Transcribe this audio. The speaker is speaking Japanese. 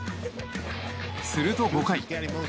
すると５回。